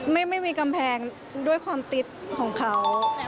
ไม่มีกำแพงด้วยความติดของเขา